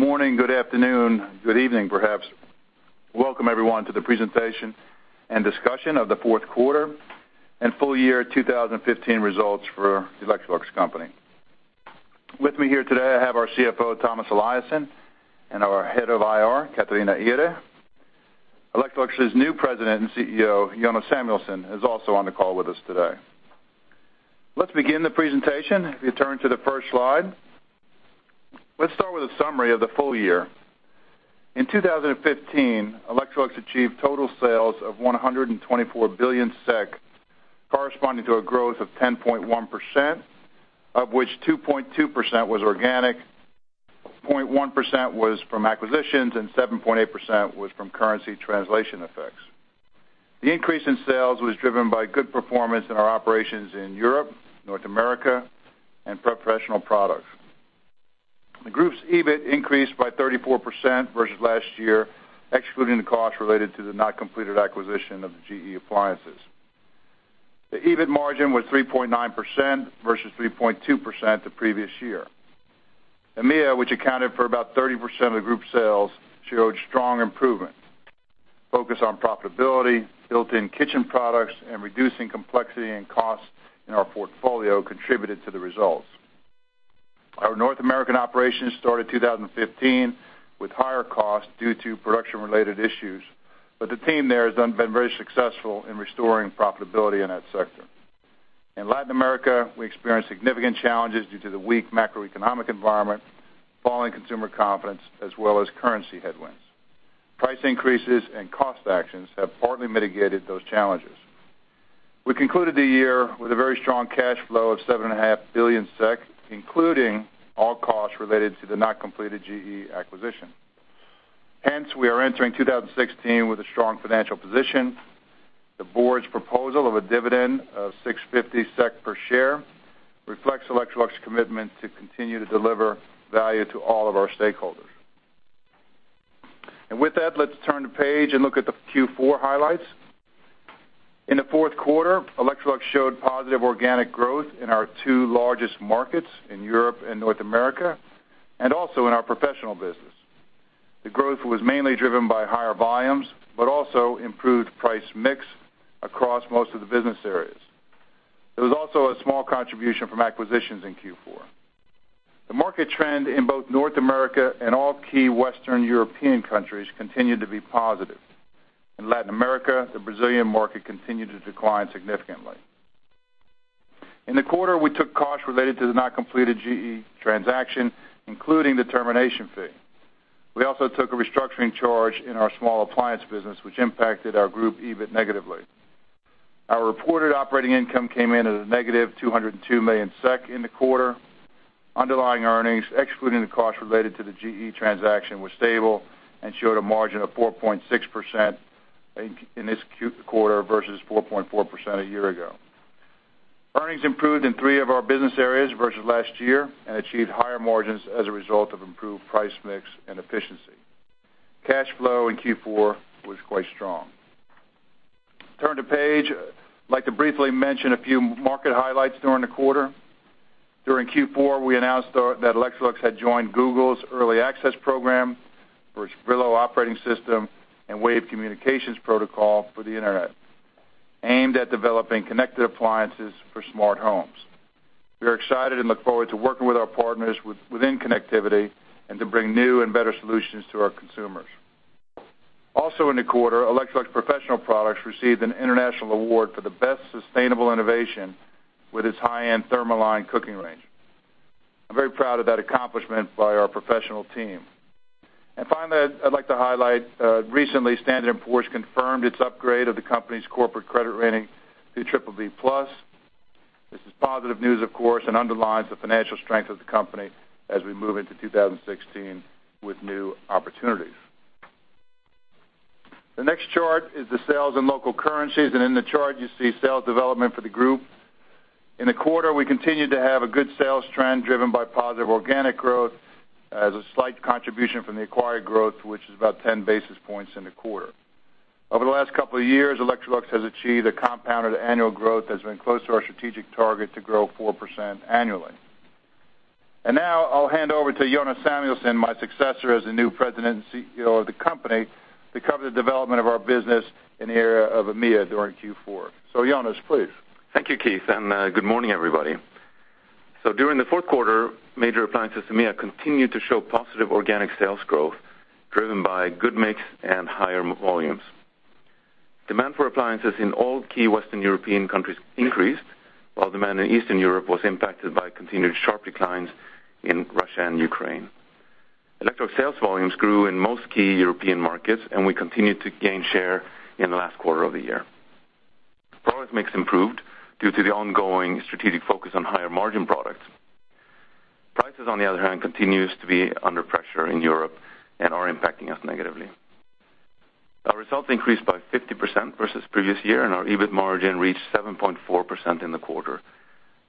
Good morning, good afternoon, good evening, perhaps. Welcome, everyone, to the presentation and discussion of the fourth quarter and full year 2015 results for the Electrolux Company. With me here today, I have our CFO, Tomas Eliasson, and our Head of IR, Catarina Ihre. Electrolux's new President and CEO, Jonas Samuelson, is also on the call with us today. Let's begin the presentation. If you turn to the first slide, let's start with a summary of the full year. In 2015, Electrolux achieved total sales of 124 billion SEK, corresponding to a growth of 10.1%, of which 2.2% was organic, 0.1% was from acquisitions, and 7.8% was from currency translation effects. The increase in sales was driven by good performance in our operations in Europe, North America, and Professional Products. The group's EBIT increased by 34% versus last year, excluding the costs related to the not completed acquisition of the GE Appliances. The EBIT margin was 3.9% versus 3.2% the previous year. EMEA, which accounted for about 30% of the group sales, showed strong improvement. Focus on profitability, built-in kitchen products, and reducing complexity and costs in our portfolio contributed to the results. Our North American operations started 2015 with higher costs due to production-related issues. The team there has been very successful in restoring profitability in that sector. In Latin America, we experienced significant challenges due to the weak macroeconomic environment, falling consumer confidence, as well as currency headwinds. Price increases and cost actions have partly mitigated those challenges. We concluded the year with a very strong cash flow of 7.5 billion SEK, including all costs related to the not completed GE acquisition. Hence, we are entering 2016 with a strong financial position. The board's proposal of a dividend of 6.50 SEK per share reflects Electrolux's commitment to continue to deliver value to all of our stakeholders. With that, let's turn the page and look at the Q4 highlights. In the fourth quarter, Electrolux showed positive organic growth in our two largest markets, in Europe and North America, and also in our professional business. The growth was mainly driven by higher volumes, but also improved price mix across most of the business areas. There was also a small contribution from acquisitions in Q4. The market trend in both North America and all key Western European countries continued to be positive. In Latin America, the Brazilian market continued to decline significantly. In the quarter, we took costs related to the not completed GE transaction, including the termination fee. We also took a restructuring charge in our small appliance business, which impacted our group EBIT negatively. Our reported operating income came in at a negative 202 million SEK in the quarter. Underlying earnings, excluding the cost related to the GE transaction, were stable and showed a margin of 4.6% in this quarter versus 4.4% a year ago. Earnings improved in three of our business areas versus last year and achieved higher margins as a result of improved price mix and efficiency. Cash flow in Q4 was quite strong. Turn the page. I'd like to briefly mention a few market highlights during the quarter. During Q4, we announced that Electrolux had joined Google's Early Access program for its Brillo operating system and Wave communications protocol for the internet, aimed at developing connected appliances for smart homes. We are excited and look forward to working with our partners within connectivity and to bring new and better solutions to our consumers. Also in the quarter, Electrolux Professional Products received an international award for the best sustainable innovation with its high-end thermaline cooking range. I'm very proud of that accomplishment by our professional team. Finally, I'd like to highlight, recently, Standard & Poor's confirmed its upgrade of the company's corporate credit rating to BBB+. This is positive news, of course, and underlines the financial strength of the company as we move into 2016 with new opportunities. The next chart is the sales in local currencies, and in the chart, you see sales development for the group. In the quarter, we continued to have a good sales trend, driven by positive organic growth as a slight contribution from the acquired growth, which is about 10 basis points in the quarter. Over the last couple of years, Electrolux has achieved a compounded annual growth that's been close to our strategic target to grow 4% annually. Now I'll hand over to Jonas Samuelson, my successor as the new President and CEO of the company, to cover the development of our business in the area of EMEA during Q4. Jonas, please. Thank you, Keith. Good morning, everybody. During the fourth quarter, Major Appliances EMEA continued to show positive organic sales growth, driven by good mix and higher volumes. Demand for appliances in all key Western European countries increased, while demand in Eastern Europe was impacted by continued sharp declines in Russia and Ukraine. Electrolux sales volumes grew in most key European markets, and we continued to gain share in the last quarter of the year. Product mix improved due to the ongoing strategic focus on higher-margin products. Prices, on the other hand, continues to be under pressure in Europe and are impacting us negatively. Our results increased by 50% versus previous year, and our EBIT margin reached 7.4% in the quarter.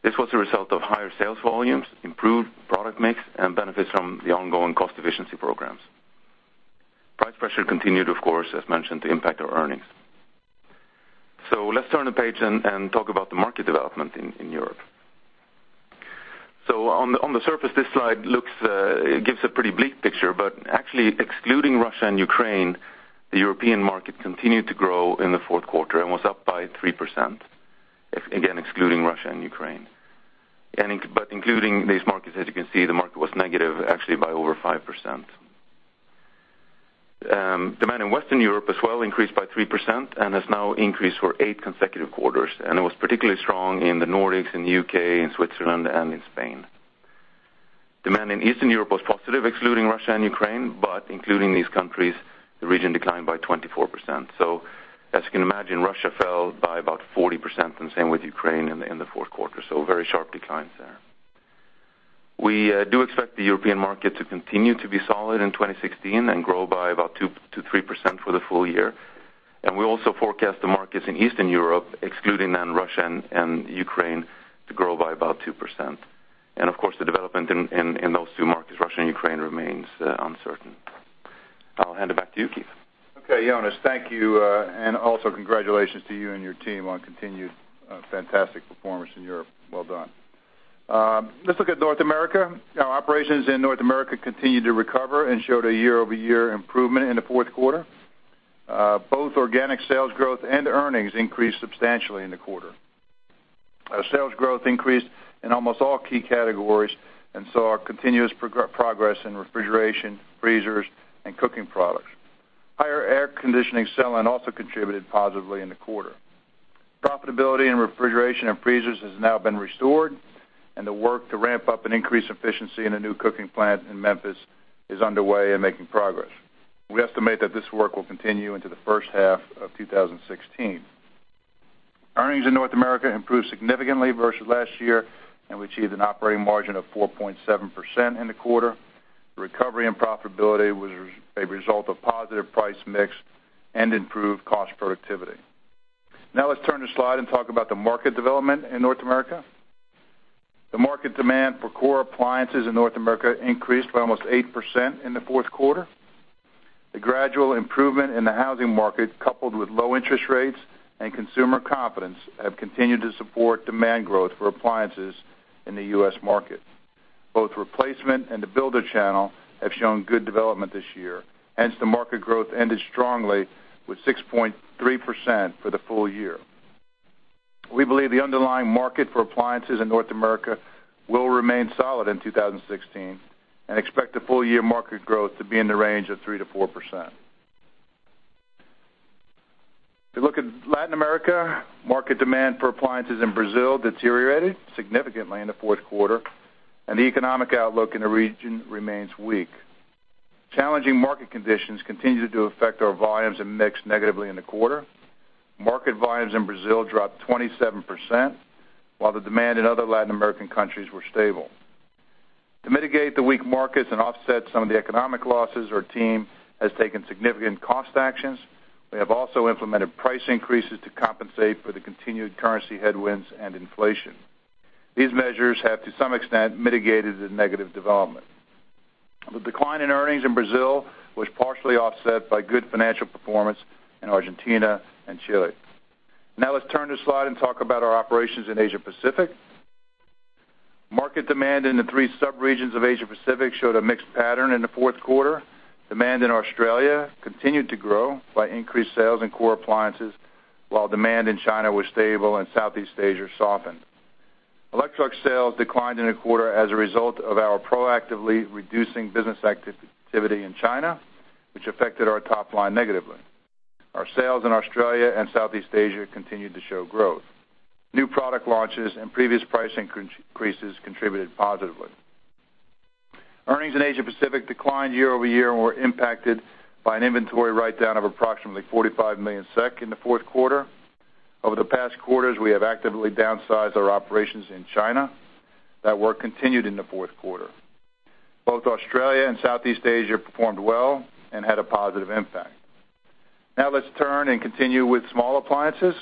This was a result of higher sales volumes, improved product mix, and benefits from the ongoing cost efficiency programs. Price pressure continued, of course, as mentioned, to impact our earnings. Let's turn the page and talk about the market development in Europe. On the surface, this slide looks, it gives a pretty bleak picture, but actually, excluding Russia and Ukraine, the European market continued to grow in the fourth quarter and was up by 3%, if again, excluding Russia and Ukraine. Including these markets, as you can see, the market was negative, actually, by over 5%. Demand in Western Europe as well increased by 3% and has now increased for 8 consecutive quarters, and it was particularly strong in the Nordics, in the U.K., in Switzerland, and in Spain. Demand in Eastern Europe was positive, excluding Russia and Ukraine, but including these countries, the region declined by 24%. As you can imagine, Russia fell by about 40%, and same with Ukraine in the fourth quarter, very sharp declines there. We do expect the European market to continue to be solid in 2016 and grow by about 2%-3% for the full year. We also forecast the markets in Eastern Europe, excluding then Russia and Ukraine, to grow by about 2%. Of course, the development in those two markets, Russia and Ukraine, remains uncertain. I'll hand it back to you, Keith. Okay, Jonas, thank you. Also congratulations to you and your team on continued fantastic performance in Europe. Well done. Let's look at North America. Our operations in North America continued to recover and showed a year-over-year improvement in the fourth quarter. Both organic sales growth and earnings increased substantially in the quarter. Our sales growth increased in almost all key categories and saw our continuous progress in refrigeration, freezers, and cooking products. Higher air conditioning selling also contributed positively in the quarter. Profitability in refrigeration and freezers has now been restored, and the work to ramp up and increase efficiency in a new cooking plant in Memphis is underway and making progress. We estimate that this work will continue into the first half of 2016. Earnings in North America improved significantly versus last year, and we achieved an operating margin of 4.7% in the quarter. Recovery and profitability was a result of positive price mix and improved cost productivity. Now let's turn the slide and talk about the market development in North America. The market demand for core appliances in North America increased by almost 8% in the fourth quarter. The gradual improvement in the housing market, coupled with low interest rates and consumer confidence, have continued to support demand growth for appliances in the U.S. market. Both replacement and the builder channel have shown good development this year, hence, the market growth ended strongly with 6.3% for the full year. We believe the underlying market for appliances in North America will remain solid in 2016 and expect the full year market growth to be in the range of 3%-4%. If you look at Latin America, market demand for appliances in Brazil deteriorated significantly in the fourth quarter, and the economic outlook in the region remains weak. Challenging market conditions continued to affect our volumes and mix negatively in the quarter. Market volumes in Brazil dropped 27%, while the demand in other Latin American countries were stable. To mitigate the weak markets and offset some of the economic losses, our team has taken significant cost actions. We have also implemented price increases to compensate for the continued currency headwinds and inflation. These measures have, to some extent, mitigated the negative development. The decline in earnings in Brazil was partially offset by good financial performance in Argentina and Chile. Let's turn the slide and talk about our operations in Asia Pacific. Market demand in the three subregions of Asia Pacific showed a mixed pattern in the fourth quarter. Demand in Australia continued to grow by increased sales in core appliances, while demand in China was stable and Southeast Asia softened. Electrolux sales declined in the quarter as a result of our proactively reducing business activity in China, which affected our top line negatively. Our sales in Australia and Southeast Asia continued to show growth. New product launches and previous price increases contributed positively. Earnings in Asia Pacific declined year-over-year and were impacted by an inventory write-down of approximately 45 million SEK in the fourth quarter. Over the past quarters, we have actively downsized our operations in China. That work continued in the fourth quarter. Both Australia and Southeast Asia performed well and had a positive impact. Let's turn and continue with small appliances.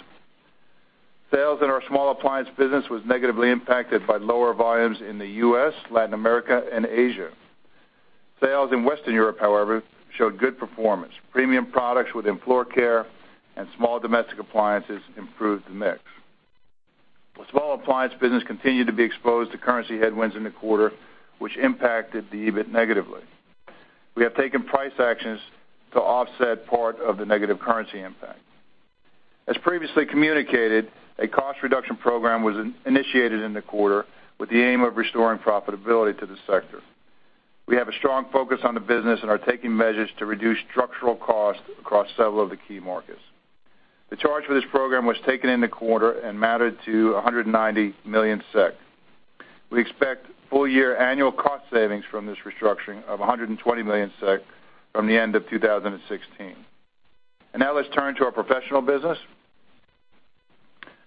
Sales in our Small Appliance business was negatively impacted by lower volumes in the U.S., Latin America, and Asia. Sales in Western Europe, however, showed good performance. Premium products within floor care and small domestic appliances improved the mix. The Small Appliance business continued to be exposed to currency headwinds in the quarter, which impacted the EBIT negatively. We have taken price actions to offset part of the negative currency impact. As previously communicated, a cost reduction program was initiated in the quarter with the aim of restoring profitability to the sector. We have a strong focus on the business and are taking measures to reduce structural costs across several of the key markets. The charge for this program was taken in the quarter and mattered to 190 million SEK. We expect full-year annual cost savings from this restructuring of 120 million SEK from the end of 2016. Now let's turn to our professional business.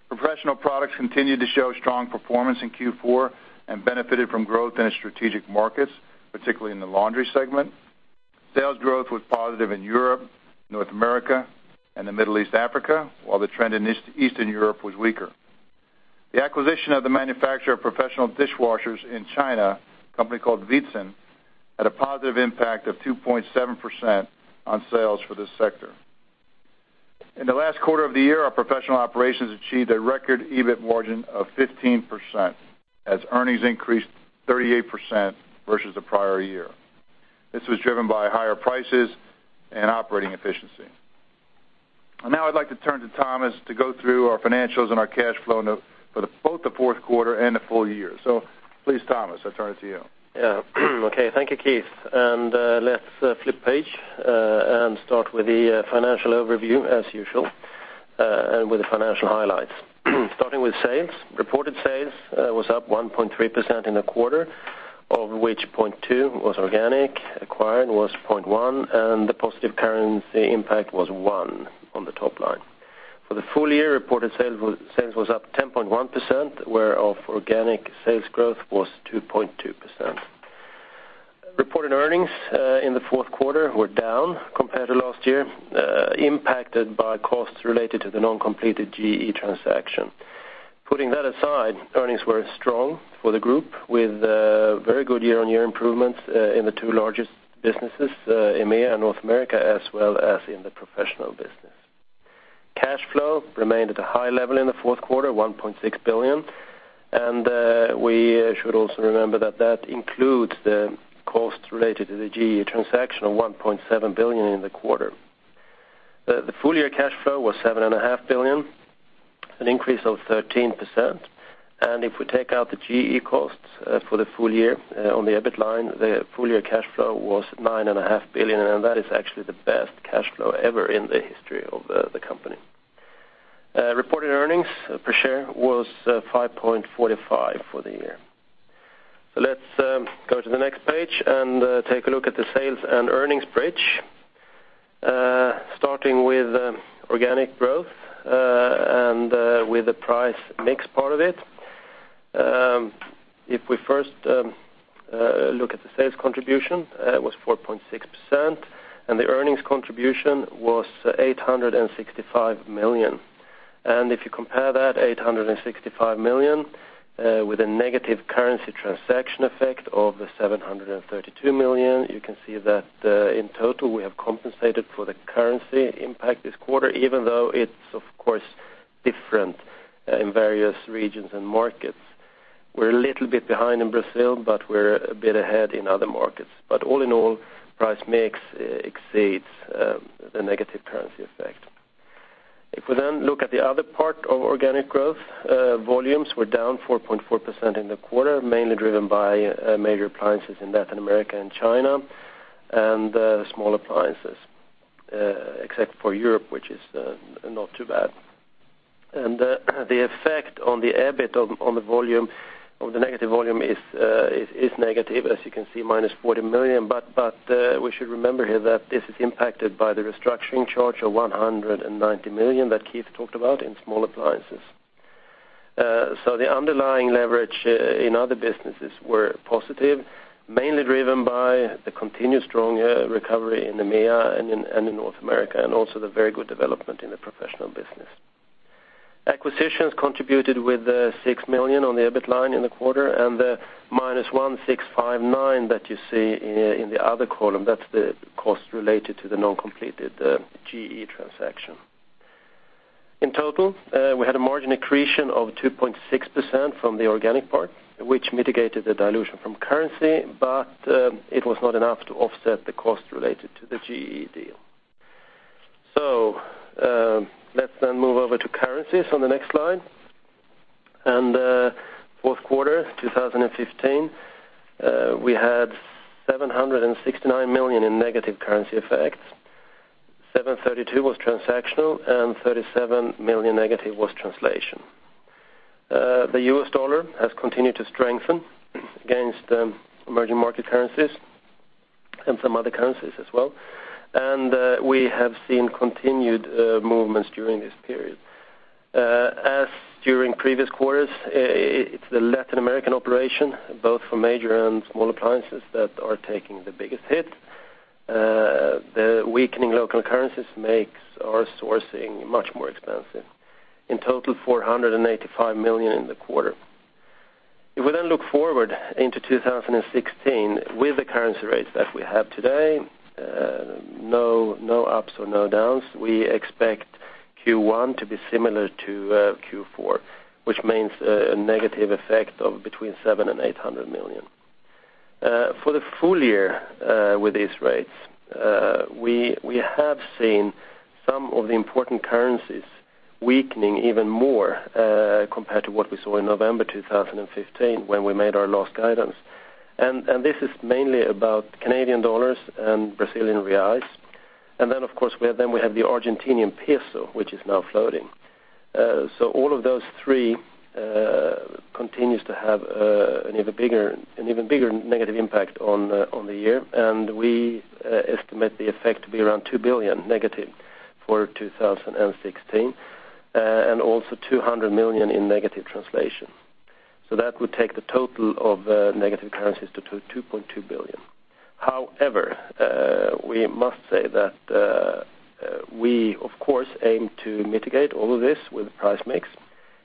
Professional products continued to show strong performance in Q4 and benefited from growth in its strategic markets, particularly in the laundry segment. Sales growth was positive in Europe, North America, and the Middle East Africa, while the trend in Eastern Europe was weaker. The acquisition of the manufacturer of professional dishwashers in China, a company called Veetsan, had a positive impact of 2.7% on sales for this sector. In the last quarter of the year, our professional operations achieved a record EBIT margin of 15%, as earnings increased 38% versus the prior year. This was driven by higher prices and operating efficiency. Now I'd like to turn to Tomas to go through our financials and our cash flow note for both the fourth quarter and the full year. Please, Tomas, I turn it to you. Yeah. Okay, thank you, Keith. Let's flip page and start with the financial overview, as usual, and with the financial highlights. Starting with sales. Reported sales was up 1.3% in the quarter, of which 0.2% was organic, acquired was 0.1%, and the positive currency impact was 1% on the top line. For the full year, reported sales was up 10.1%, where of organic sales growth was 2.2%. Reported earnings in the 4th quarter were down compared to last year, impacted by costs related to the non-completed GE transaction. Putting that aside, earnings were strong for the group, with very good year-on-year improvements in the two largest businesses, EMEA and North America, as well as in the professional business. Cash flow remained at a high level in the fourth quarter, 1.6 billion, and we should also remember that that includes the costs related to the GE transaction of 1.7 billion in the quarter. The full year cash flow was 7.5 billion, an increase of 13%. If we take out the GE costs for the full year on the EBIT line, the full year cash flow was 9.5 billion, and that is actually the best cash flow ever in the history of the company. Reported earnings per share was 5.45 for the year. Let's go to the next page and take a look at the sales and earnings bridge. Starting with organic growth and with the price mix part of it. If we first look at the sales contribution, it was 4.6%, and the earnings contribution was 865 million. If you compare that 865 million with a negative currency transaction effect of 732 million, you can see that in total, we have compensated for the currency impact this quarter, even though it's, of course, different in various regions and markets. We're a little bit behind in Brazil, but we're a bit ahead in other markets. All in all, price mix exceeds the negative currency effect. If we look at the other part of organic growth, volumes were down 4.4% in the quarter, mainly driven by Major Appliances in Latin America and China, and Small Appliances, except for Europe, which is not too bad. The effect on the EBIT on the volume, of the negative volume is negative, as you can see, -40 million. We should remember here that this is impacted by the restructuring charge of 190 million that Keith talked about in Small Appliances. The underlying leverage in other businesses were positive, mainly driven by the continued strong recovery in EMEA and in North America, and also the very good development in the professional business. Acquisitions contributed with 6 million on the EBIT line in the quarter, and the minus 1,659 that you see in the other column, that's the cost related to the non-completed, GE transaction. In total, we had a margin accretion of 2.6% from the organic part, which mitigated the dilution from currency, but, it was not enough to offset the cost related to the GE deal. Let's then move over to currencies on the next slide. Fourth quarter 2015, we had 769 million in negative currency effects. 732 was transactional, and 37 million negative was translation. The U.S. dollar has continued to strengthen against emerging market currencies and some other currencies as well, and, we have seen continued movements during this period. As during previous quarters, it's the Latin American operation, both for major and small appliances, that are taking the biggest hit. The weakening local currencies makes our sourcing much more expensive. In total, 485 million in the quarter. If we then look forward into 2016, with the currency rates that we have today, no ups or no downs, we expect Q1 to be similar to Q4, which means a negative effect of between 700 million and 800 million. For the full year, with these rates, we have seen some of the important currencies weakening even more, compared to what we saw in November 2015, when we made our last guidance. This is mainly about Canadian dollars and Brazilian reais. Then, of course, we have, then we have the Argentinian peso, which is now floating. All of those three continues to have an even bigger negative impact on the year. We estimate the effect to be around 2 billion negative for 2016, and also 200 million in negative translation. That would take the total of negative currencies to 2.2 billion. However, we must say that we of course aim to mitigate all of this with price mix,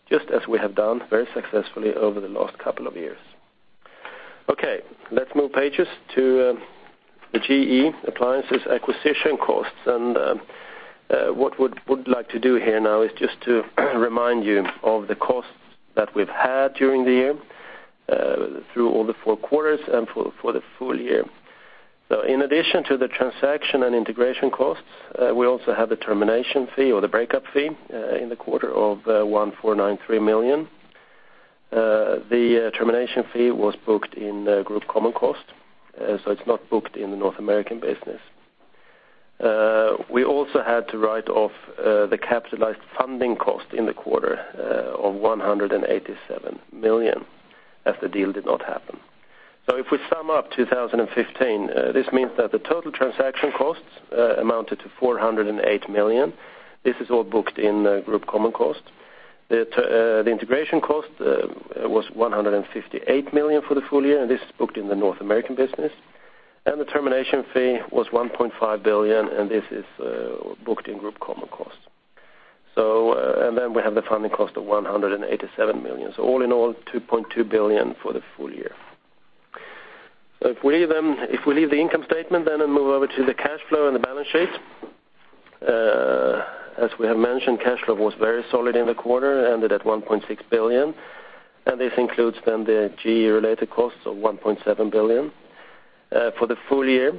just as we have done very successfully over the last couple of years. Let's move pages to the GE Appliances acquisition costs. What would like to do here now is just to remind you of the costs that we've had during the year, through all the 4 quarters and for the full year. In addition to the transaction and integration costs, we also have a termination fee or the breakup fee in the quarter of 1,493 million. The termination fee was booked in group common cost, so it's not booked in the North American business. We also had to write off the capitalized funding cost in the quarter of 187 million, as the deal did not happen. If we sum up 2015, this means that the total transaction costs amounted to 408 million. This is all booked in group common costs. The integration cost was 158 million for the full year, this is booked in the North American business. The termination fee was 1.5 billion, this is booked in group common costs. Then we have the funding cost of 187 million. All in all, 2.2 billion for the full year. If we leave them, if we leave the income statement, then I move over to the cash flow and the balance sheet. As we have mentioned, cash flow was very solid in the quarter, ended at 1.6 billion, this includes then the GE-related costs of 1.7 billion. For the full year,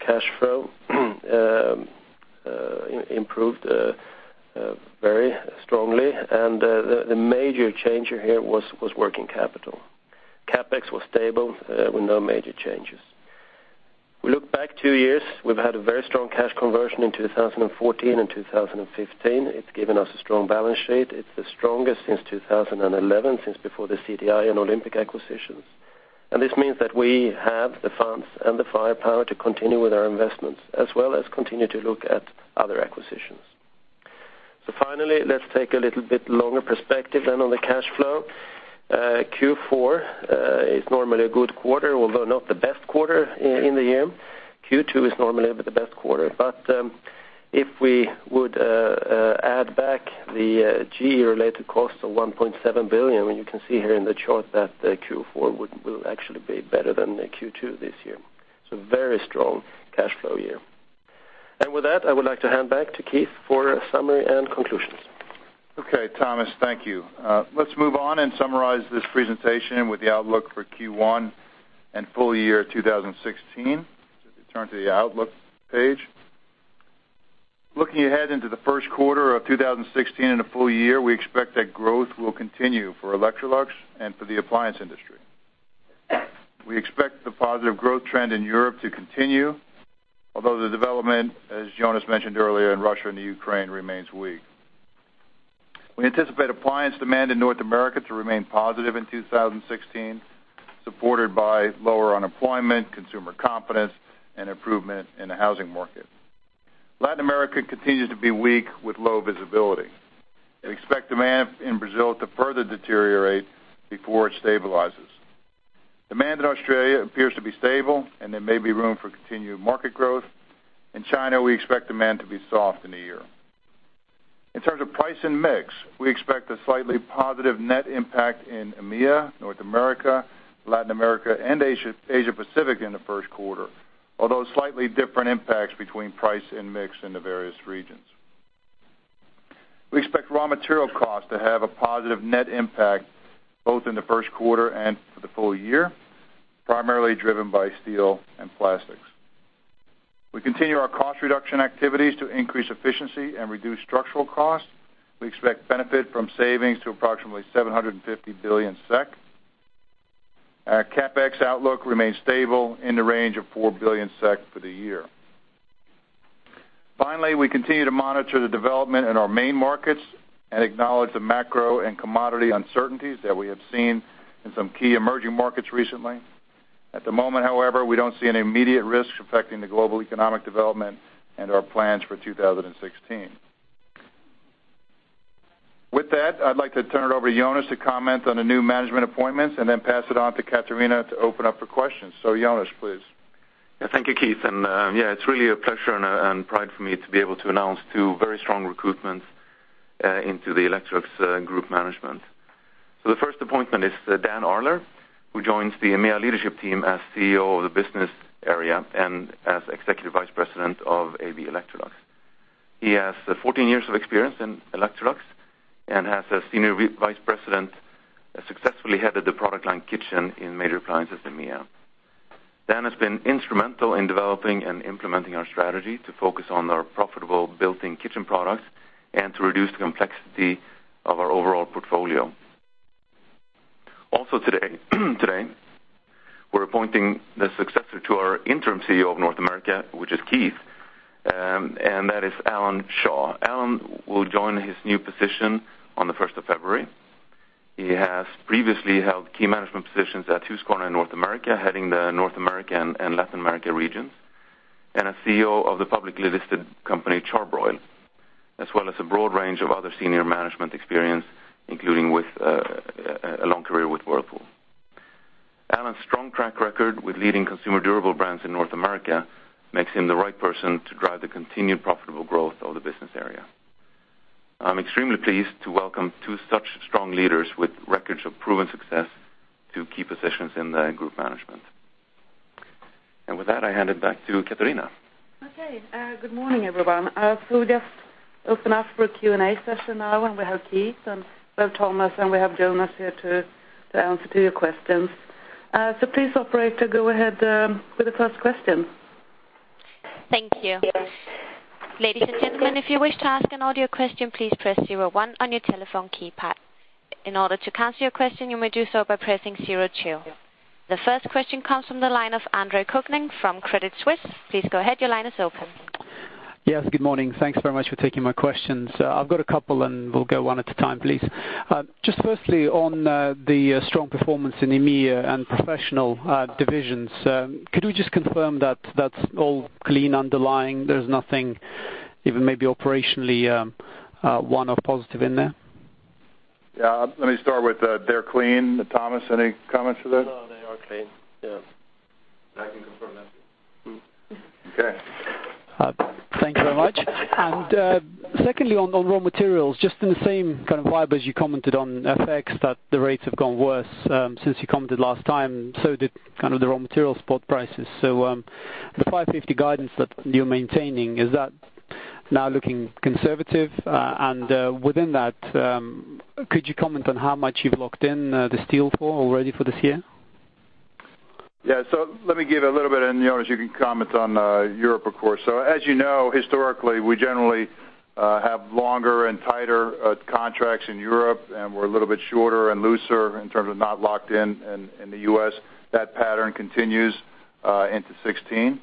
cash flow improved very strongly, and the major changer here was working capital. CapEx was stable with no major changes. We look back two years, we've had a very strong cash conversion in 2014 and 2015. It's given us a strong balance sheet. It's the strongest since 2011, since before the CTI and Olympic acquisitions. This means that we have the funds and the firepower to continue with our investments, as well as continue to look at other acquisitions. Finally, let's take a little bit longer perspective than on the cash flow. Q4 is normally a good quarter, although not the best quarter in the year. Q2 is normally the best quarter, but if we would add back the GE-related costs of 1.7 billion, you can see here in the chart that the Q4 will actually be better than the Q2 this year. Very strong cash flow year. With that, I would like to hand back to Keith for a summary and conclusions. Okay, Tomas, thank you. Let's move on and summarize this presentation with the outlook for Q1 and full year 2016. Just to turn to the outlook page. Looking ahead into the first quarter of 2016 and the full year, we expect that growth will continue for Electrolux and for the appliance industry. We expect the positive growth trend in Europe to continue, although the development, as Jonas mentioned earlier, in Russia and the Ukraine, remains weak. We anticipate appliance demand in North America to remain positive in 2016, supported by lower unemployment, consumer confidence, and improvement in the housing market. Latin America continues to be weak with low visibility. Expect demand in Brazil to further deteriorate before it stabilizes. Demand in Australia appears to be stable. There may be room for continued market growth. In China, we expect demand to be soft in the year. In terms of price and mix, we expect a slightly positive net impact in EMEA, North America, Latin America, and Asia Pacific in the first quarter, although slightly different impacts between price and mix in the various regions. We expect raw material costs to have a positive net impact, both in the first quarter and for the full year, primarily driven by steel and plastics. We continue our cost reduction activities to increase efficiency and reduce structural costs. We expect benefit from savings to approximately 750 billion SEK. Our CapEx outlook remains stable in the range of 4 billion SEK for the year. Finally, we continue to monitor the development in our main markets and acknowledge the macro and commodity uncertainties that we have seen in some key emerging markets recently. At the moment, however, we don't see any immediate risks affecting the global economic development and our plans for 2016. With that, I'd like to turn it over to Jonas to comment on the new management appointments and then pass it on to Catarina to open up for questions. Jonas, please. Yeah, thank you, Keith. Yeah, it's really a pleasure and a, and pride for me to be able to announce two very strong recruitments into the Electrolux Group management. The 1st appointment is Dan Arler, who joins the EMEA leadership team as CEO of the business area and as Executive Vice President of AB Electrolux. He has 14 years of experience in Electrolux and as a Senior Vice President, has successfully headed the product line kitchen in major appliances in EMEA. Dan has been instrumental in developing and implementing our strategy to focus on our profitable built-in kitchen products and to reduce the complexity of our overall portfolio. Also, today, we're appointing the successor to our interim CEO of North America, which is Keith, and that is Alan Shaw. Alan will join his new position on the 1st of February. He has previously held key management positions at Husqvarna in North America, heading the North America and Latin America regions.... And a CEO of the publicly listed company, Char-Broil, as well as a broad range of other senior management experience, including with a long career with Whirlpool. Alan's strong track record with leading consumer durable brands in North America makes him the right person to drive the continued profitable growth of the business area. I'm extremely pleased to welcome two such strong leaders with records of proven success to key positions in the group management. With that, I hand it back to Catarina. Good morning, everyone. We just open up for a Q&A session now, and we have Keith and we have Tomas, and we have Jonas here to answer to your questions. Please, operator, go ahead with the first question. Thank you. Ladies and gentlemen, if you wish to ask an audio question, please press zero one on your telephone keypad. In order to cancel your question, you may do so by pressing zero two. The first question comes from the line of Andre Kukhnin from Credit Suisse. Please go ahead. Your line is open. Yes, good morning. Thanks very much for taking my questions. I've got a couple, and we'll go one at a time, please. Just firstly, on the strong performance in EMEA and professional divisions, could you just confirm that that's all clean underlying, there's nothing, even maybe operationally, one or positive in there? Yeah, let me start with, they're clean. Tomas, any comments to that? No, they are clean. Yes. I can confirm that. Mm-hmm. Okay. Thank you very much. Secondly, on raw materials, just in the same kind of vibe as you commented on FX, that the rates have gone worse since you commented last time, so did kind of the raw materials spot prices. The 550 guidance that you're maintaining, is that now looking conservative? Within that, could you comment on how much you've locked in the steel for already for this year? Let me give a little bit, and, Jonas, you can comment on Europe, of course. As you know, historically, we generally have longer and tighter contracts in Europe, and we're a little bit shorter and looser in terms of not locked in the U.S. That pattern continues into 2016.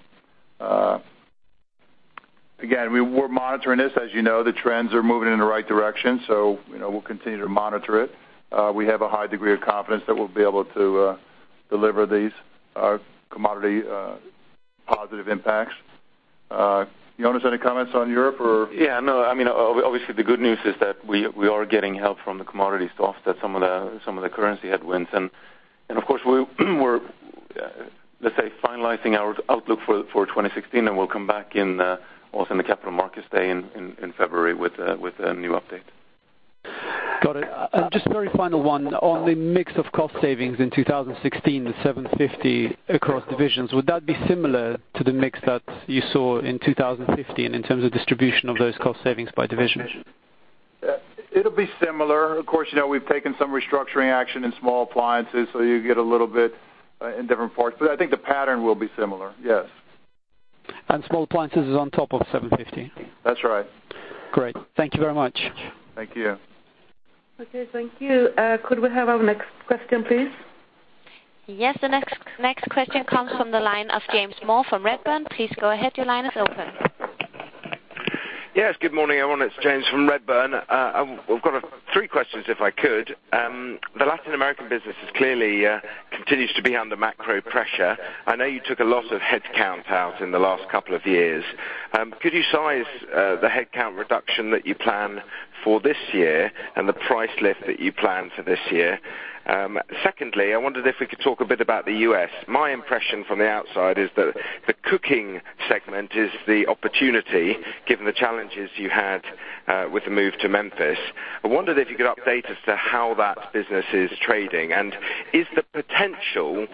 Again, we're monitoring this. As you know, the trends are moving in the right direction, so, you know, we'll continue to monitor it. We have a high degree of confidence that we'll be able to deliver these commodity positive impacts. Jonas, any comments on Europe or? Yeah, no, I mean, obviously, the good news is that we are getting help from the commodity stuff, that some of the currency headwinds. Of course, we're, let's say, finalizing our outlook for 2016, and we'll come back also in the Capital Markets Day in February with a new update. Got it. Just very final one, on the mix of cost savings in 2016, the 750 across divisions, would that be similar to the mix that you saw in 2015 in terms of distribution of those cost savings by division? It'll be similar. You know, we've taken some restructuring action in Small Appliances, so you get a little bit in different parts, but I think the pattern will be similar. Yes. Small Appliances is on top of 750? That's right. Great. Thank you very much. Thank you. Okay, thank you. Could we have our next question, please? Yes, the next question comes from the line of James Moore from Redburn. Please go ahead. Your line is open. Yes, good morning, everyone. It's James from Redburn. I've got three questions, if I could. The Latin American business is clearly continues to be under macro pressure. I know you took a lot of headcount out in the last couple of years. Could you size the headcount reduction that you plan for this year and the price lift that you plan for this year? Secondly, I wondered if we could talk a bit about the U.S. My impression from the outside is that the cooking segment is the opportunity, given the challenges you had with the move to Memphis. I wondered if you could update us to how that business is trading, and is the potential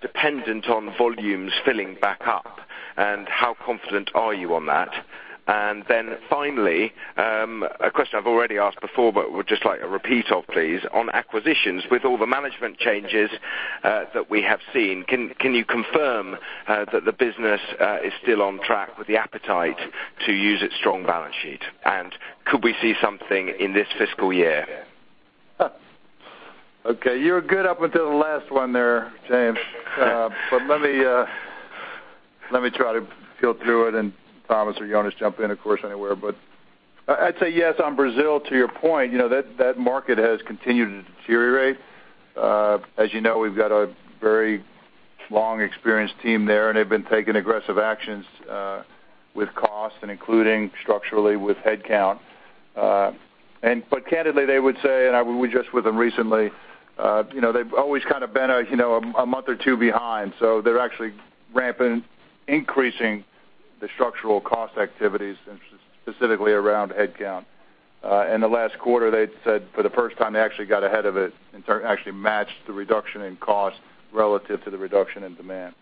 dependent on volumes filling back up, and how confident are you on that? Finally, a question I've already asked before, but would just like a repeat of, please. On acquisitions, with all the management changes that we have seen, can you confirm that the business is still on track with the appetite to use its strong balance sheet? Could we see something in this fiscal year? Okay, you're good up until the last one there, James. Let me try to peel through it, Tomas Eliasson or Jonas Samuelson, jump in, of course, anywhere. I'd say yes, on Brazil, to your point, you know, that market has continued to deteriorate. As you know, we've got a very long, experienced team there, they've been taking aggressive actions with cost including structurally with headcount. Candidly, they would say, I was just with them recently, you know, they've always kind of been a, you know, a month or two behind, so they're actually ramping, increasing the structural cost activities, specifically around headcount. In the last quarter, they'd said for the first time, they actually got ahead of it, actually matched the reduction in cost relative to the reduction in demand.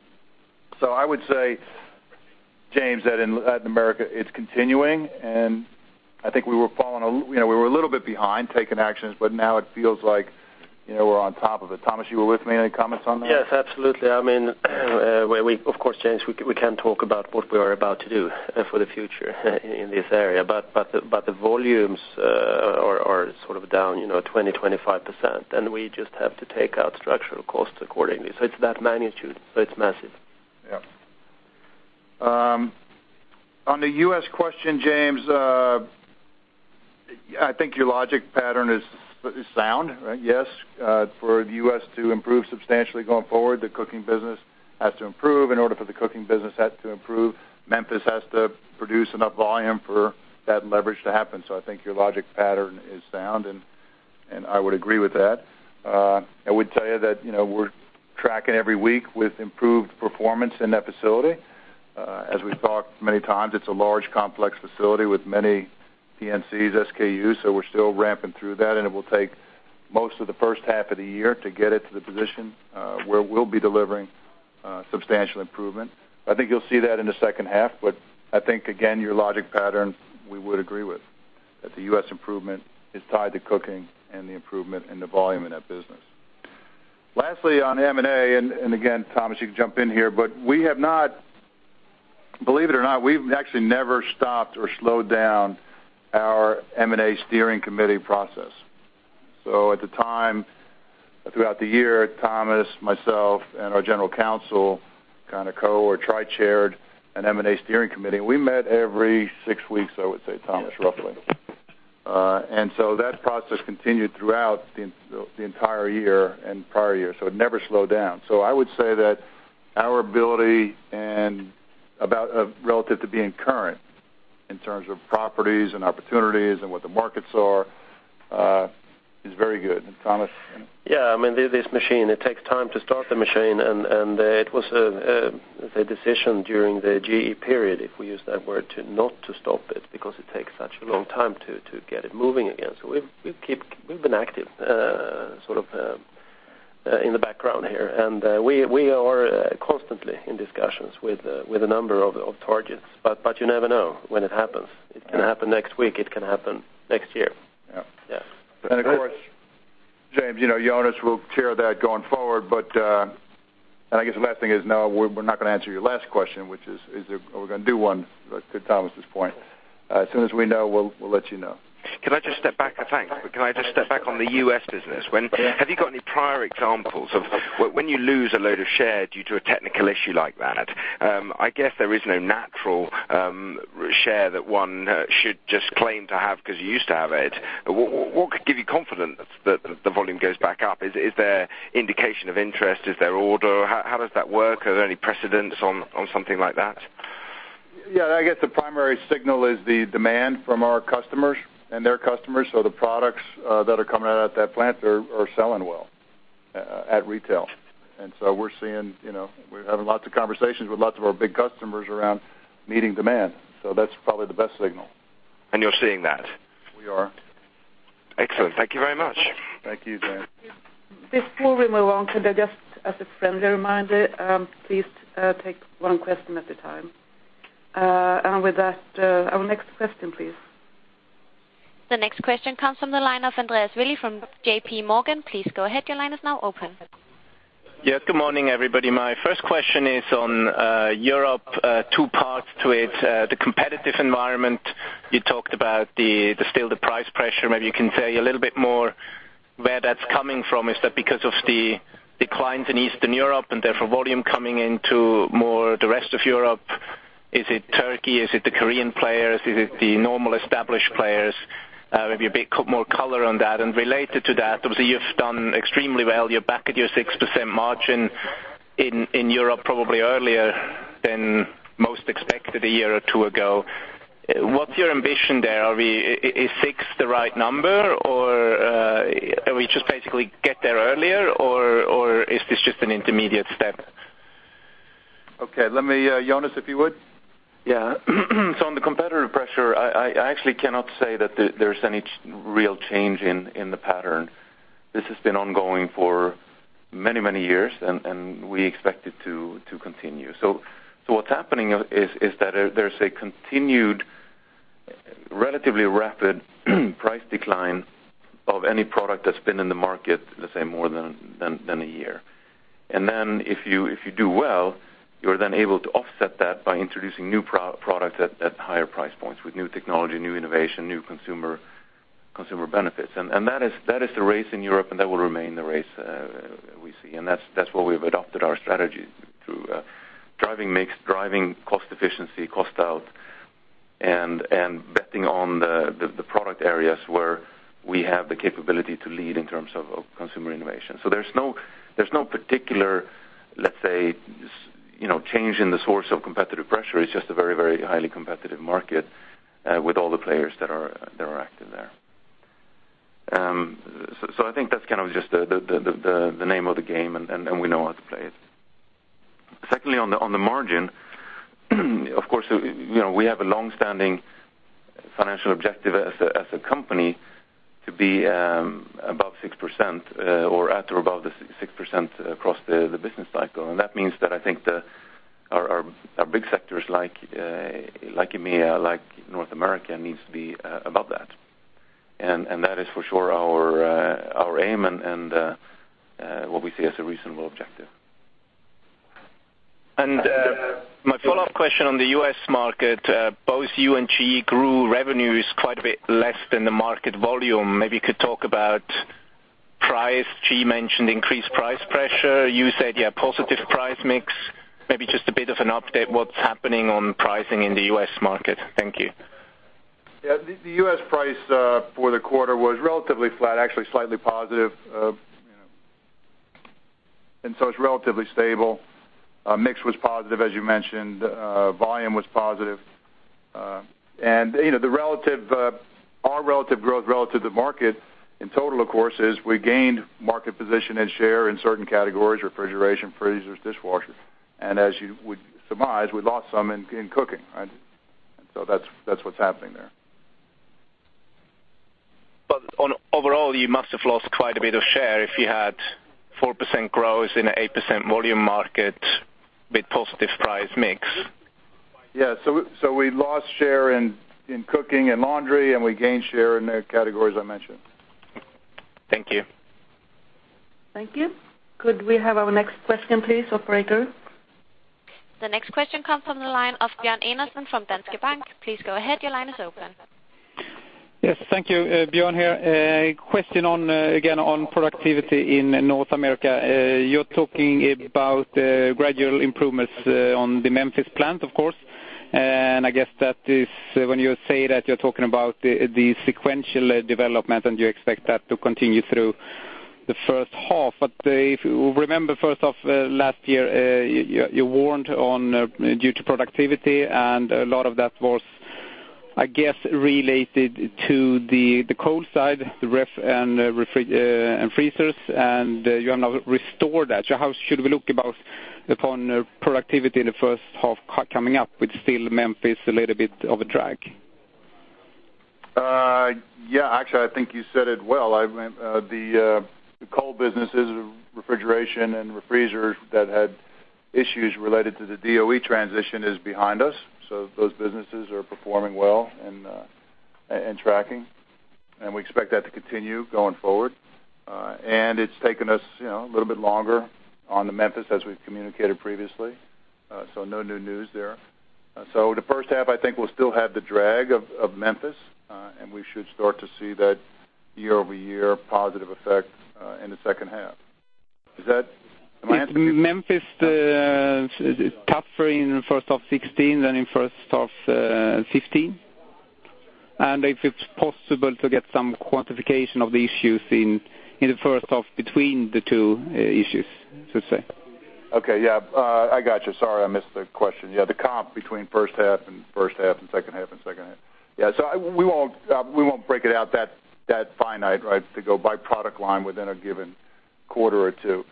I would say, James, that in Latin America, it's continuing, and I think we were falling You know, we were a little bit behind taking actions, but now it feels like, you know, we're on top of it. Tomas, you were with me. Any comments on that? Yes, absolutely. I mean, we of course, James, we can't talk about what we are about to do for the future in this area, but the volumes are sort of down, you know, 20%-25%, and I just have to take out structural costs accordingly. It's that magnitude, so it's massive. Yep. On the U.S. question, James, I think your logic pattern is sound, right? Yes. For the U.S. to improve substantially going forward, the cooking business has to improve. In order for the cooking business has to improve, Memphis has to produce enough volume for that leverage to happen. I think your logic pattern is sound, and I would agree with that. I would tell you that, you know, we're tracking every week with improved performance in that facility. As we've talked many times, it's a large, complex facility with many PNC, SKUs, so we're still ramping through that, and it will take most of the first half of the year to get it to the position where we'll be delivering substantial improvement. I think you'll see that in the second half, I think, again, your logic pattern, we would agree with, that the U.S. improvement is tied to cooking and the improvement in the volume in that business. Lastly, on M&A, and again, Tomas, you can jump in here, we have believe it or not, we've actually never stopped or slowed down our M&A steering committee process. At the time, throughout the year, Tomas, myself, and our general counsel, kind of co- or tri-chaired an M&A steering committee, we met every 6 weeks, I would say, Tomas, roughly. That process continued throughout the entire year and prior years, it never slowed down. I would say that our ability and about, relative to being current in terms of properties and opportunities and what the markets are, is very good. Tomas? Yeah, I mean, this machine, it takes time to start the machine, and it was a decision during the GE period, if we use that word, to not to stop it because it takes such a long time to get it moving again. We've been active, sort of, in the background here. We are constantly in discussions with a number of targets, but you never know when it happens. It can happen next week, it can happen next year. Yeah. Yeah. Of course, James, you know, Jonas will chair that going forward, but, and I guess the last thing is, no, we're not gonna answer your last question, which is, are we gonna do one, to Tomas's point. As soon as we know, we'll let you know. Can I just step back? Thanks. Can I just step back on the U.S. business? Yeah. Have you got any prior examples of when you lose a load of share due to a technical issue like that, I guess there is no natural share that one should just claim to have because you used to have it. What, what could give you confidence that the volume goes back up? Is there indication of interest? Is there order? How does that work? Are there any precedents on something like that? Yeah, I guess the primary signal is the demand from our customers and their customers. The products that are coming out of that plant are selling well at retail. We're seeing, you know, we're having lots of conversations with lots of our big customers around meeting demand. That's probably the best signal. You're seeing that? We are. Excellent. Thank you very much. Thank you, James. Before we move on, could I just, as a friendly reminder, please, take one question at a time. With that, our next question, please. The next question comes from the line of Andreas Willi from JP Morgan. Please go ahead. Your line is now open. Yes, good morning, everybody. My first question is on Europe, two parts to it. The competitive environment, you talked about the still the price pressure. Maybe you can say a little bit more where that's coming from. Is that because of the declines in Eastern Europe, and therefore, volume coming into more the rest of Europe? Is it Turkey? Is it the Korean players? Is it the normal established players? Maybe a bit more color on that. Related to that, obviously, you've done extremely well. You're back at your 6% margin in Europe, probably earlier than most expected a year or two ago. What's your ambition there? Is 6 the right number, or are we just basically get there earlier, or is this just an intermediate step? Okay, let me, Jonas, if you would? On the competitive pressure, I actually cannot say that there's any real change in the pattern. This has been ongoing for many years, and we expect it to continue. What's happening is that there's a continued, relatively rapid price decline of any product that's been in the market, let's say, more than a year. Then if you do well, you're then able to offset that by introducing new product at higher price points with new technology, new innovation, new consumer benefits. That is the race in Europe, and that will remain the race we see. That's where we've adopted our strategy through driving mix, driving cost efficiency, cost out, and betting on the product areas where we have the capability to lead in terms of consumer innovation. There's no particular, let's say, you know, change in the source of competitive pressure. It's just a very, very highly competitive market with all the players that are active there. I think that's kind of just the name of the game, and we know how to play it. Secondly, on the margin, of course, you know, we have a long-standing financial objective as a company to be above 6%, or at or above the 6% across the business cycle. That means that I think our big sectors like EMEA, like North America, needs to be above that. That is for sure our aim and what we see as a reasonable objective. My follow-up question on the U.S. market, both you and GE grew revenues quite a bit less than the market volume. Maybe you could talk about price. GE mentioned increased price pressure. You said, yeah, positive price mix, maybe just a bit of an update, what's happening on pricing in the U.S. market? Thank you. Yeah, the U.S. price for the quarter was relatively flat, actually slightly positive. It's relatively stable. Mix was positive, as you mentioned. Volume was positive, and, you know, the relative our relative growth relative to market in total, of course, is we gained market position and share in certain categories, refrigeration, freezers, dishwashers. As you would surmise, we lost some in cooking, right? That's what's happening there. On overall, you must have lost quite a bit of share if you had 4% growth in an 8% volume market with positive price mix. Yeah, we lost share in cooking and laundry, and we gained share in the categories I mentioned. Thank you. Thank you. Could we have our next question, please, operator? The next question comes from the line of Björn Enarson from Danske Bank. Please go ahead. Your line is open. Yes, thank you. Björn here. A question on again, on productivity in North America. You're talking about gradual improvements on the Memphis plant, of course, and I guess that is when you say that you're talking about the sequential development, and you expect that to continue through the first half. If you remember, first of last year, you warned on due to productivity, and a lot of that was, I guess, related to the cold side, the ref and freezers, and you have now restored that. How should we look about upon productivity in the first half coming up, with still Memphis, a little bit of a drag? Yeah, actually, I think you said it well. I went, the cold businesses, refrigeration and freezers that had issues related to the DOE transition is behind us, so those businesses are performing well and tracking, and we expect that to continue going forward. It's taken us, you know, a little bit longer on the Memphis, as we've communicated previously. No new news there. The first half, I think, will still have the drag of Memphis, and we should start to see that year-over-year positive effect in the second half. Is that? Is Memphis tougher in the first half 2016 than in first half 2015? And if it's possible to get some quantification of the issues in the first half between the two issues, should say. Okay. Yeah. I got you. Sorry, I missed the question. Yeah, the comp between first half and first half and second half and second half. Yeah, we won't break it out that finite, right, to go by product line within a given quarter or two,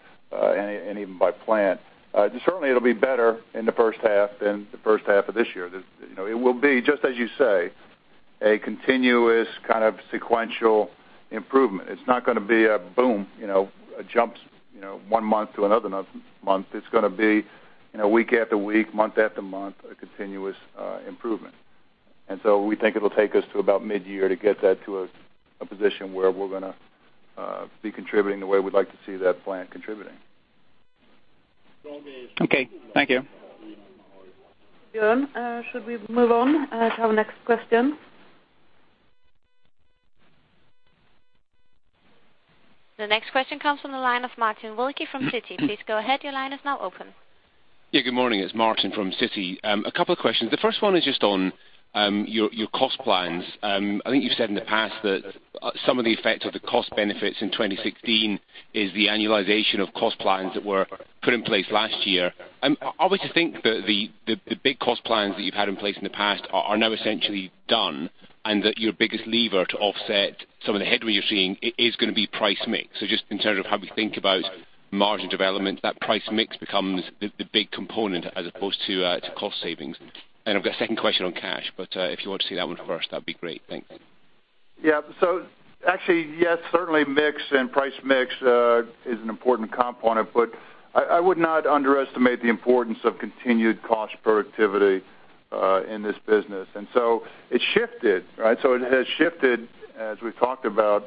and even by plant. Certainly, it'll be better in the first half than the first half of this year. You know, it will be, just as you say, a continuous kind of sequential improvement. It's not gonna be a boom, you know, a jump, you know, 1 month to another month. It's gonna be, you know, week after week, month after month, a continuous improvement. We think it'll take us to about midyear to get that to a position where we're gonna be contributing the way we'd like to see that plant contributing. Okay. Thank you. Bjorn, should we move on to our next question? The next question comes from the line of Martin Wilkie from Citi. Please go ahead. Your line is now open. Good morning. It's Martin from Citi. A couple of questions. The first one is just on your cost plans. I think you've said in the past that some of the effects of the cost benefits in 2016 is the annualization of cost plans that were put in place last year. I obviously think that the big cost plans that you've had in place in the past are now essentially done, and that your biggest lever to offset some of the headwind you're seeing is gonna be price mix. Just in terms of how we think about margin development, that price mix becomes the big component as opposed to cost savings. I've got a second question on cash, if you want to see that one first, that'd be great. Thank you. Actually, yes, certainly mix and price mix is an important component, but I would not underestimate the importance of continued cost productivity in this business. It shifted, right? It has shifted, as we've talked about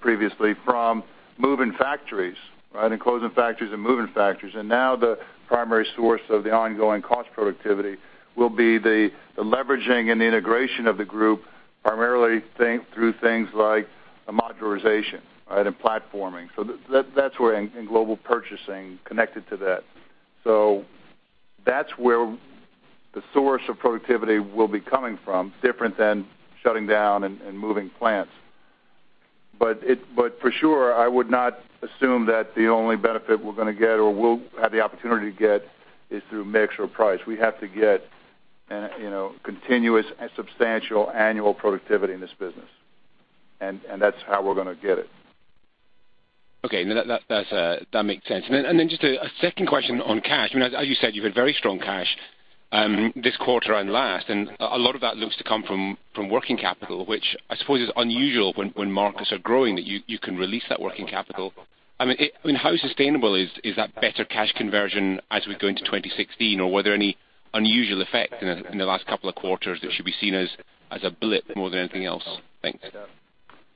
previously, from moving factories, right, and closing factories and moving factories. Now the primary source of the ongoing cost productivity will be the leveraging and the integration of the group, primarily through things like the modularization, right, and platforming. That's where in global purchasing connected to that. That's where the source of productivity will be coming from, different than shutting down and moving plants. For sure, I would not assume that the only benefit we're gonna get or we'll have the opportunity to get is through mix or price. We have to get, you know, continuous and substantial annual productivity in this business, and that's how we're gonna get it. Okay. No, that's that makes sense. Then just a second question on cash. I mean, as you said, you've had very strong cash this quarter and last, and a lot of that looks to come from working capital, which I suppose is unusual when markets are growing, that you can release that working capital. I mean, how sustainable is that better cash conversion as we go into 2016, or were there any unusual effects in the last couple of quarters that should be seen as a blip more than anything else? Thanks.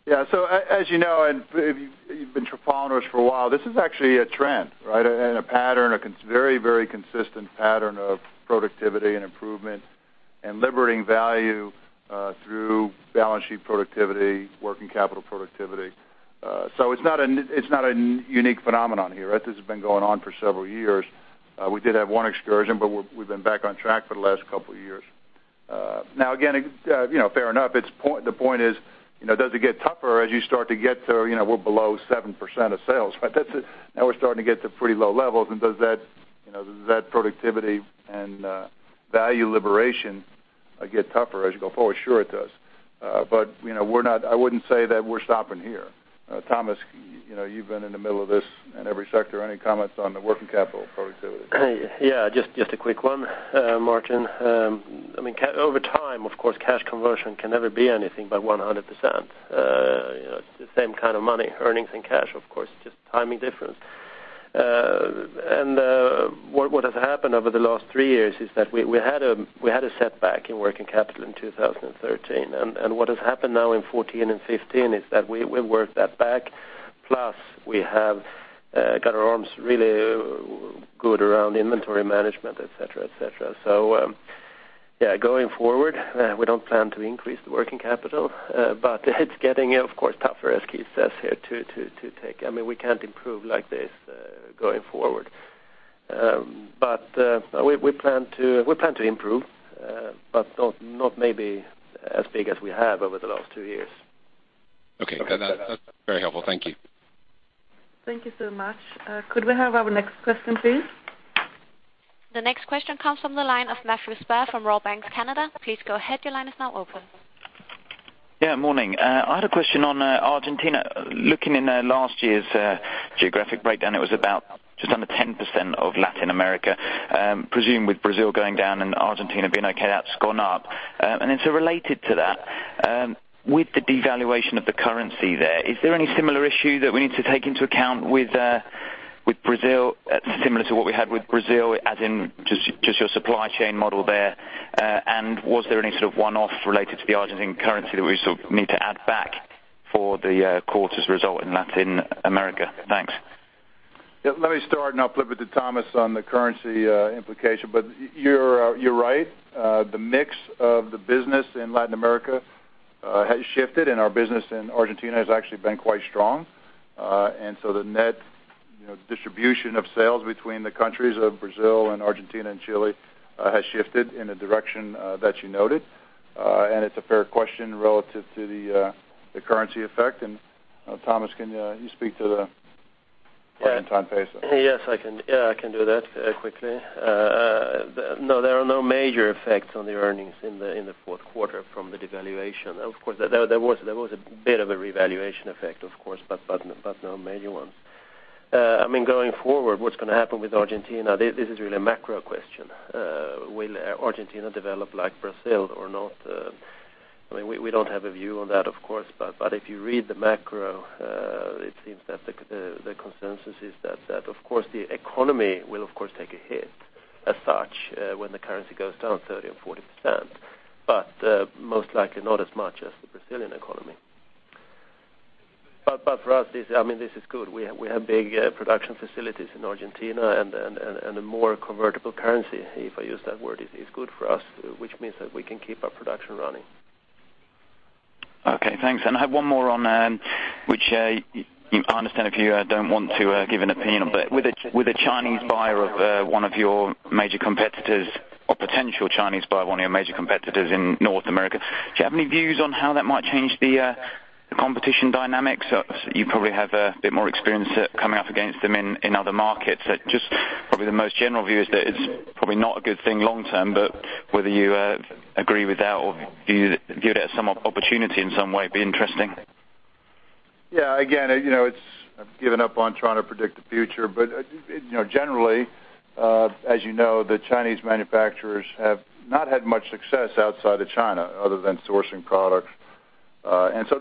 Yeah. As you know, and if you've been following us for a while, this is actually a trend, right, and a pattern, a very consistent pattern of productivity and improvement, and liberating value through balance sheet productivity, working capital productivity. It's not a unique phenomenon here, right? This has been going on for several years. We did have one excursion, but we've been back on track for the last couple of years. Now, again, you know, fair enough, the point is, you know, does it get tougher as you start to get to, you know, we're below 7% of sales, right? That's it. Now we're starting to get to pretty low levels, and does that, you know, does that productivity and value liberation get tougher as you go forward? Sure, it does. You know, I wouldn't say that we're stopping here. Tomas, you know, you've been in the middle of this in every sector. Any comments on the working capital productivity? Yeah, just a quick one, Martin. I mean, over time, of course, cash conversion can never be anything but 100%. You know, it's the same kind of money, earnings and cash, of course, just timing difference. What has happened over the last 3 years is that we had a setback in working capital in 2013. What has happened now in 2014 and 2015 is that we worked that back, plus we have got our arms really good around inventory management, et cetera, et cetera. Yeah, going forward, we don't plan to increase the working capital, but it's getting, of course, tougher, as Keith says here, to take... I mean, we can't improve like this, going forward. We plan to improve, but not maybe as big as we have over the last two years. Okay, that's very helpful. Thank you. Thank you so much. Could we have our next question, please? The next question comes from the line of Matthew Spur from Royal Bank of Canada. Please go ahead. Your line is now open. Morning. I had a question on Argentina. Looking in last year's geographic breakdown, it was about just under 10% of Latin America. Presumed with Brazil going down and Argentina being okay, that's gone up. Related to that, with the devaluation of the currency there, is there any similar issue that we need to take into account with Brazil, similar to what we had with Brazil, as in just your supply chain model there? Was there any sort of one-off related to the Argentine currency that we sort of need to add back for the quarter's result in Latin America? Thanks. Yeah, let me start, and I'll flip it to Tomas on the currency implication. You're right. The mix of the business in Latin America has shifted, and our business in Argentina has actually been quite strong. The net, you know, distribution of sales between the countries of Brazil and Argentina and Chile has shifted in a direction that you noted. It's a fair question relative to the currency effect. Tomas, can you speak to. Yeah. Argentine peso? Yes, I can. Yeah, I can do that quickly. No, there are no major effects on the earnings in the fourth quarter from the devaluation. Of course, there was a bit of a revaluation effect, of course, but no major ones. Going forward, what's gonna happen with Argentina? This is really a macro question. Will Argentina develop like Brazil or not? We don't have a view on that, of course, but if you read the macro, it seems that the consensus is that, of course, the economy will of course take a hit as such, when the currency goes down 30% and 40%, but most likely not as much as the Brazilian economy. For us, this is good. We have big production facilities in Argentina and a more convertible currency, if I use that word, is good for us, which means that we can keep our production running. Okay, thanks. I have one more on, which, I understand if you don't want to give an opinion, but with a, with a Chinese buyer of one of your major competitors or potential Chinese buyer of one of your major competitors in North America, do you have any views on how that might change the competition dynamics? You probably have a bit more experience coming up against them in other markets. Just probably the most general view is that it's probably not a good thing long-term, but whether you agree with that or view it, view it as some opportunity in some way, it'd be interesting. Again, you know, it's... I've given up on trying to predict the future, but, you know, generally, as you know, the Chinese manufacturers have not had much success outside of China other than sourcing products.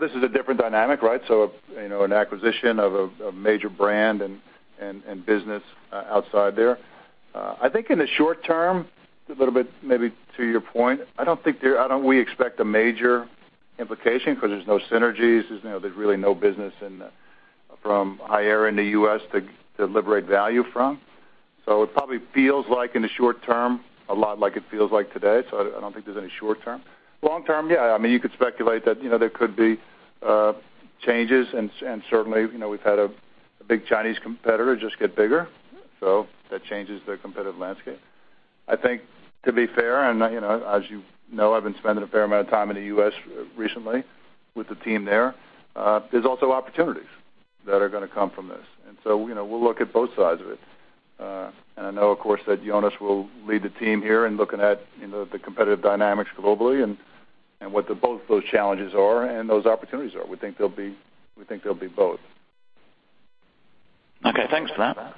This is a different dynamic, right? You know, an acquisition of a major brand and, and business outside there. I think in the short term, a little bit maybe to your point, I don't... We expect a major implication 'cause there's no synergies, there's, you know, there's really no business in the, from Haier in the U.S. to liberate value from. It probably feels like in the short term, a lot like it feels like today, so I don't think there's any short term. Long term, yeah, I mean, you could speculate that, you know, there could be changes, and certainly, you know, we've had a big Chinese competitor just get bigger, so that changes the competitive landscape. I think, to be fair, and, you know, as you know, I've been spending a fair amount of time in the U.S. recently with the team there's also opportunities that are gonna come from this. You know, we'll look at both sides of it. I know, of course, that Jonas will lead the team here in looking at, you know, the competitive dynamics globally and what the both those challenges are and those opportunities are. We think there'll be both. Okay, thanks for that.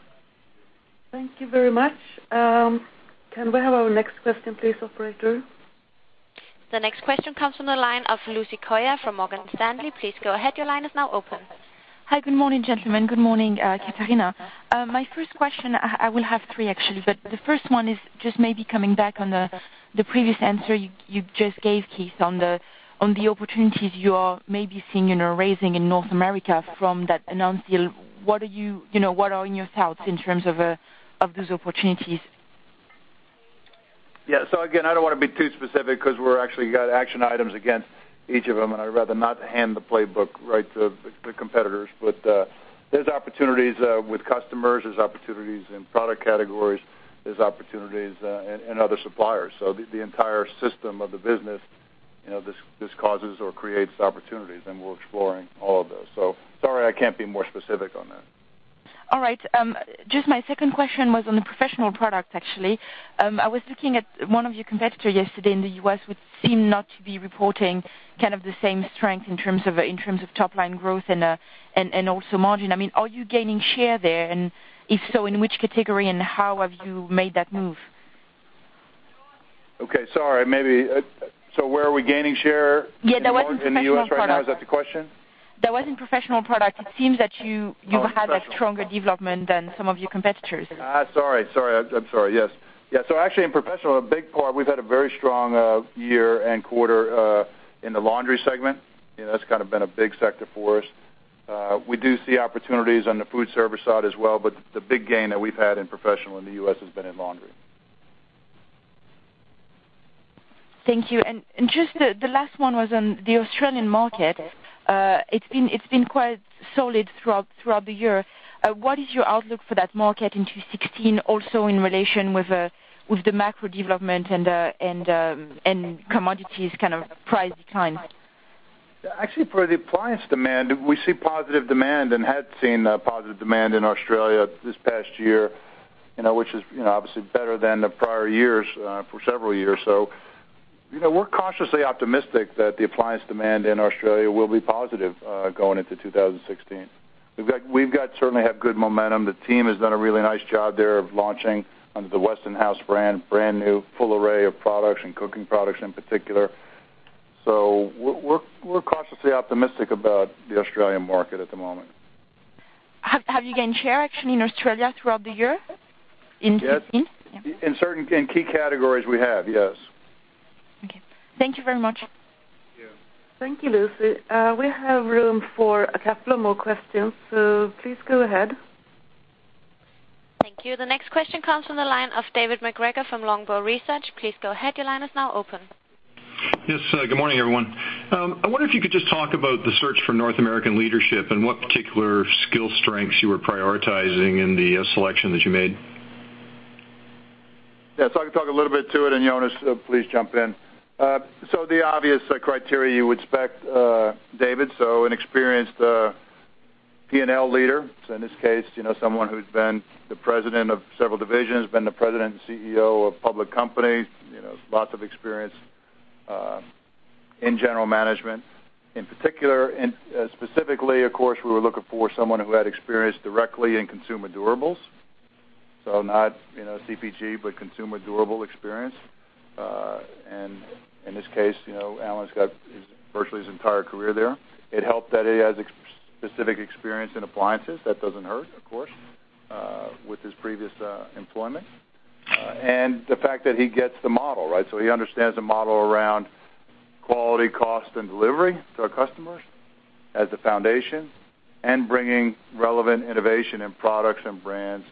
Thank you very much. Can we have our next question, please, operator? The next question comes from the line of Lucie Carrier from Morgan Stanley. Please go ahead. Your line is now open. Hi, good morning, gentlemen. Good morning, Catarina. My first question, I will have three, actually, but the first one is just maybe coming back on the previous answer you just gave, Keith, on the opportunities you are maybe seeing in a raising in North America from that announced deal. What are you know, what are in your thoughts in terms of those opportunities? Again, I don't wanna be too specific because we're actually got action items against each of them, and I'd rather not hand the playbook right to the competitors. There's opportunities with customers, there's opportunities in product categories, there's opportunities in other suppliers. The entire system of the business, you know, this causes or creates opportunities, and we're exploring all of those. Sorry, I can't be more specific on that. All right. Just my second question was on the professional product, actually. I was looking at one of your competitors yesterday in the U.S., which seemed not to be reporting kind of the same strength in terms of top-line growth and also margin. I mean, are you gaining share there? If so, in which category, and how have you made that move? Okay, sorry, maybe, Where are we gaining share- Yeah, that was in Professional product. ....In the U.S. right now, is that the question? That was in Professional product. It seems that. Oh, Professional. You had a stronger development than some of your competitors. Sorry. I'm sorry, yes. Actually, in Professional, a big part, we've had a very strong year and quarter in the laundry segment. You know, that's kind of been a big sector for us. We do see opportunities on the food service side as well. The big gain that we've had in Professional in the U.S. has been in laundry. Thank you. Just the last one was on the Australian market. It's been quite solid throughout the year. What is your outlook for that market in 2016, also in relation with the macro development and and commodities kind of price decline? Yeah, actually, for the appliance demand, we see positive demand and had seen positive demand in Australia this past year, you know, which is, you know, obviously better than the prior years for several years. You know, we're cautiously optimistic that the appliance demand in Australia will be positive going into 2016. We've got certainly have good momentum. The team has done a really nice job there of launching under the Westinghouse brand new, full array of products and cooking products in particular. We're cautiously optimistic about the Australian market at the moment. Have you gained share actually in Australia throughout the year, in 2016? Yes. In key categories, we have, yes. Okay. Thank you very much. Thank you. Thank you, Lucie. We have room for a couple of more questions, so please go ahead. Thank you. The next question comes from the line of David MacGregor from Longbow Research. Please go ahead. Your line is now open. Yes, good morning, everyone. I wonder if you could just talk about the search for North American leadership and what particular skill strengths you were prioritizing in the selection that you made? Yes, so I can talk a little bit to it, and Jonas, please jump in. The obvious criteria you would expect, David, so an experienced P&L leader, so in this case, you know, someone who's been the president of several divisions, been the president and CEO of public companies, you know, lots of experience in general management. In particular, and specifically, of course, we were looking for someone who had experience directly in consumer durables, so not, you know, CPG, but consumer durable experience. In this case, you know, Alan's got his, virtually his entire career there. It helped that he has specific experience in appliances. That doesn't hurt, of course, with his previous employment, and the fact that he gets the model, right? He understands the model around quality, cost, and delivery to our customers as a foundation and bringing relevant innovation in products and brands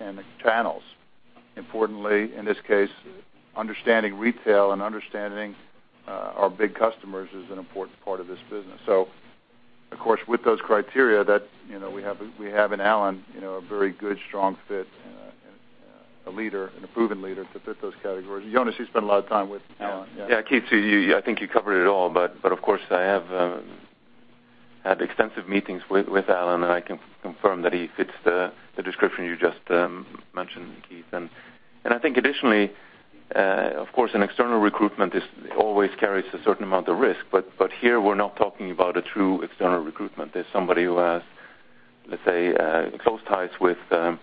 and channels. Importantly, in this case, understanding retail and understanding our big customers is an important part of this business. Of course, with those criteria, that, you know, we have in Alan, you know, a very good, strong fit and a leader and a proven leader to fit those categories. Jonas, you spent a lot of time with Alan. Yeah. Yeah, Keith, I think you covered it all. Of course, I have had extensive meetings with Alan, and I can confirm that he fits the description you just mentioned, Keith. I think additionally, of course, an external recruitment always carries a certain amount of risk, here we're not talking about a true external recruitment. This is somebody who has, let's say, close ties with our,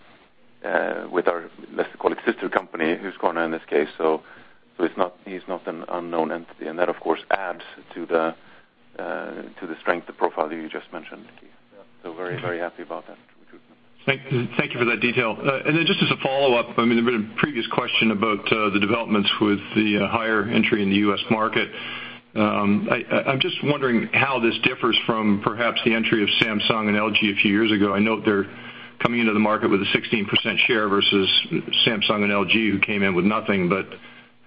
let's call it, sister company, Husqvarna, in this case. It's not he's not an unknown entity, and that, of course, adds to the strength, the profile you just mentioned, Keith. Yeah. Very, very happy about that recruitment. Thank you for that detail. Just as a follow-up, I mean, the previous question about the developments with the Haier entry in the U.S. market. I'm just wondering how this differs from perhaps the entry of Samsung and LG a few years ago. I know they're coming into the market with a 16% share versus Samsung and LG, who came in with nothing.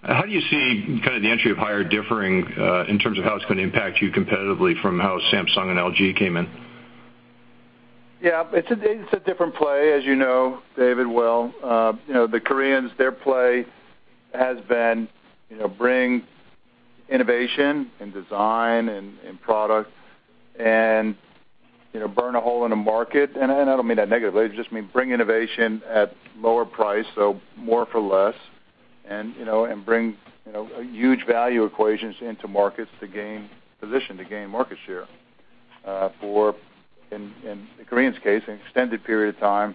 How do you see kind of the entry of Haier differing in terms of how it's going to impact you competitively from how Samsung and LG came in? It's a, it's a different play, as you know, David, well. You know, the Koreans, their play has been, you know, bring innovation and design and product and, you know, burn a hole in the market. I don't mean that negatively, I just mean bring innovation at lower price, so more for less, and, you know, and bring, you know, huge value equations into markets to gain position, to gain market share, for, in the Koreans' case, an extended period of time,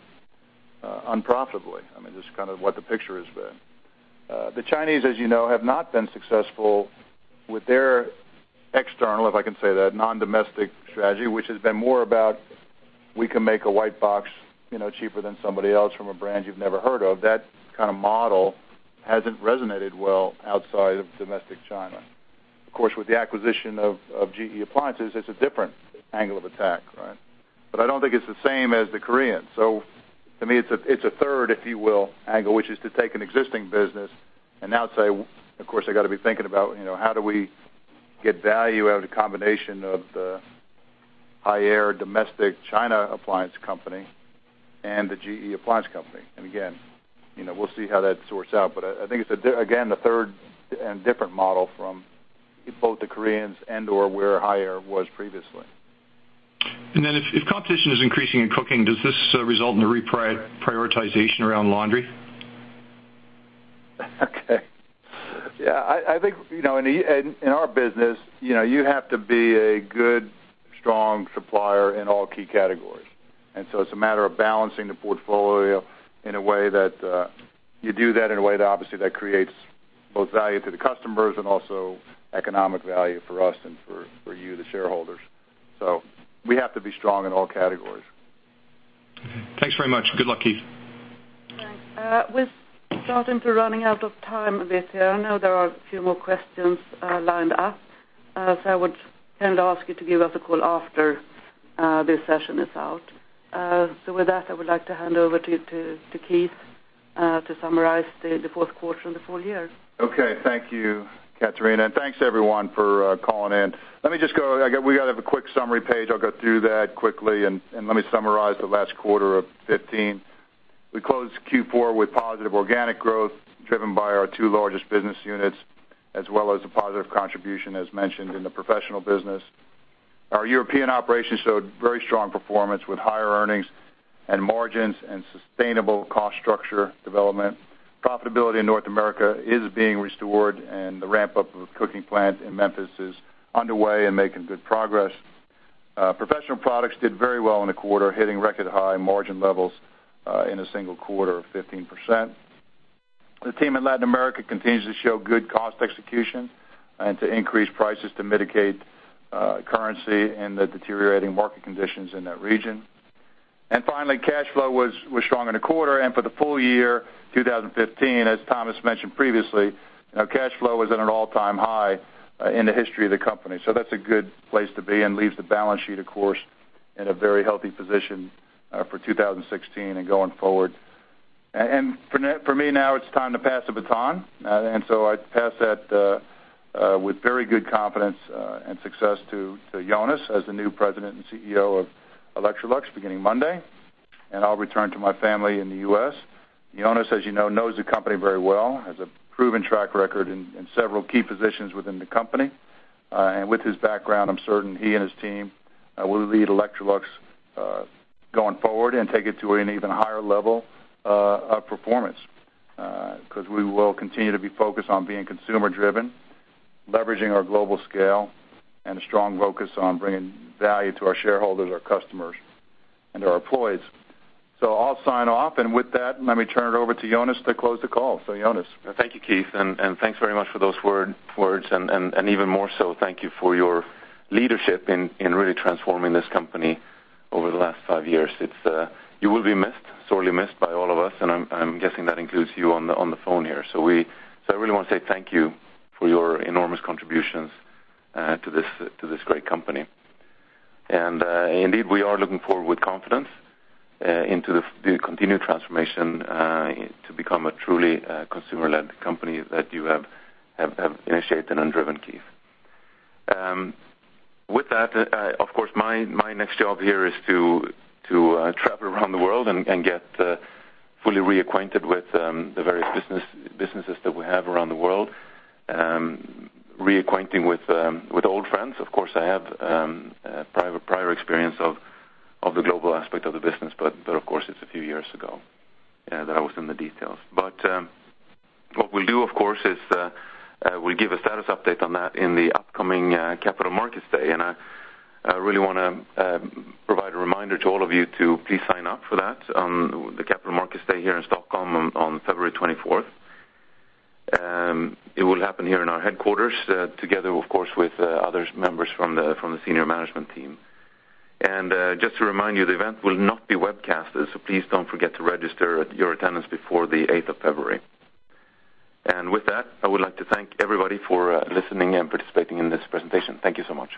unprofitably. I mean, this is kind of what the picture has been. The Chinese, as you know, have not been successful with their external, if I can say that, non-domestic strategy, which has been more about, we can make a white box, you know, cheaper than somebody else from a brand you've never heard of. That kind of model hasn't resonated well outside of domestic China. Of course, with the acquisition of GE Appliances, it's a different angle of attack, right? I don't think it's the same as the Koreans. To me, it's a third, if you will, angle, which is to take an existing business and now say, of course, I got to be thinking about, you know, how do we get value out of the combination of the Haier Domestic China Appliance Company and the GE Appliance Company? Again, you know, we'll see how that sorts out, but I think it's, again, the third and different model from both the Koreans and/or where Haier was previously. If competition is increasing in cooking, does this result in a prioritization around laundry? Okay. Yeah, I think, you know, in in our business, you know, you have to be a good, strong supplier in all key categories. It's a matter of balancing the portfolio in a way that you do that in a way that obviously that creates both value to the customers and also economic value for us and for you, the shareholders. We have to be strong in all categories. Thanks very much. Good luck, Keith. Thanks. We're starting to running out of time a bit here. I know there are a few more questions lined up, I would kind of ask you to give us a call after this session is out. With that, I would like to hand over to Keith to summarize the fourth quarter and the full year. Okay. Thank you, Catarina, and thanks, everyone, for calling in. We got to have a quick summary page. I'll go through that quickly and let me summarize the last quarter of 2015. We closed Q4 with positive organic growth, driven by our two largest business units, as well as a positive contribution, as mentioned in the professional business. Our European operations showed very strong performance, with higher earnings and margins and sustainable cost structure development. Profitability in North America is being restored, and the ramp-up of cooking plant in Memphis is underway and making good progress. Professional products did very well in the quarter, hitting record-high margin levels in a single quarter of 15%. The team in Latin America continues to show good cost execution and to increase prices to mitigate currency and the deteriorating market conditions in that region. Finally, cash flow was strong in the quarter and for the full year, 2015, as Tomas mentioned previously, you know, cash flow was at an all-time high in the history of the company. That's a good place to be and leaves the balance sheet, of course, in a very healthy position for 2016 and going forward. For me, now it's time to pass the baton, I pass that with very good confidence and success to Jonas as the new President and CEO of Electrolux beginning Monday, and I'll return to my family in the U.S. Jonas, as you know, knows the company very well, has a proven track record in several key positions within the company. And with his background, I'm certain he and his team will lead Electrolux going forward and take it to an even higher level of performance, 'cause we will continue to be focused on being consumer-driven, leveraging our global scale, and a strong focus on bringing value to our shareholders, our customers, and our employees. I'll sign off, and with that, let me turn it over to Jonas to close the call. Jonas. Thank you, Keith, and thanks very much for those words, and even more so, thank you for your leadership in really transforming this company over the last five years. It's. You will be missed, sorely missed by all of us, and I'm guessing that includes you on the phone here. I really want to say thank you for your enormous contributions to this great company. Indeed, we are looking forward with confidence into the continued transformation to become a truly consumer-led company that you have initiated and driven, Keith. With that, of course, my next job here is to travel around the world and get fully reacquainted with the various businesses that we have around the world. Reacquainting with old friends. Of course, I have prior experience of the global aspect of the business, but of course, it's a few years ago that I was in the details. What we'll do, of course, is we'll give a status update on that in the upcoming Capital Markets Day. I really wanna provide a reminder to all of you to please sign up for that, the Capital Markets Day here in Stockholm on February 24th. It will happen here in our headquarters, together, of course, with other members from the senior management team. Just to remind you, the event will not be webcasted, so please don't forget to register your attendance before the 8th of February. With that, I would like to thank everybody for listening and participating in this presentation. Thank you so much.